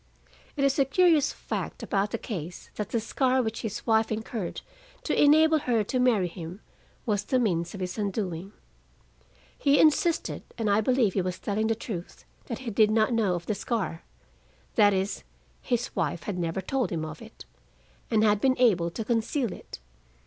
It is a curious fact about the case that the scar which his wife incurred to enable her to marry him was the means of his undoing. He insisted, and I believe he was telling the truth, that he did not know of the scar: that is, his wife had never told him of it, and had been able to conceal it.